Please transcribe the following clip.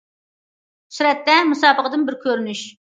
سۈرەتتە: مۇسابىقىدىن بىر كۆرۈنۈش.